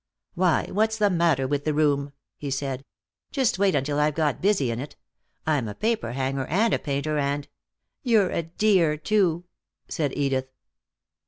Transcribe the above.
"Why, what's the matter with the room?" he said. "Just wait until I've got busy in it! I'm a paper hanger and a painter, and " "You're a dear, too," said Edith.